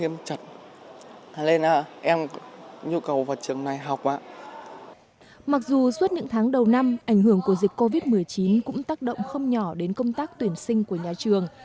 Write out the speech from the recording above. mặc dù suốt những tháng đầu năm ảnh hưởng của dịch covid một mươi chín cũng tác động không nhỏ đến công tác tuyển sinh của nhà trường